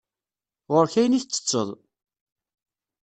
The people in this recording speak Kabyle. Ɣur-k ayen i ttetteḍ.